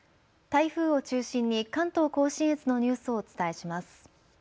台風を中心に関東甲信越のニュースをお伝えします。